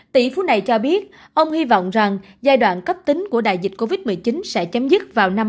tỷ phú này cho biết ông hy vọng rằng giai đoạn cấp tính của đại dịch covid một mươi chín sẽ chấm dứt vào năm hai nghìn hai mươi